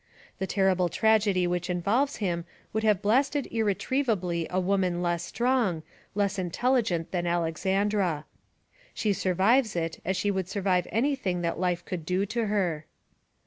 The terrible tragedy which involves him would have blasted irretrievably a woman less strong, less intelligent than Alexandra. She survives it as she would survive anything that life could do to her.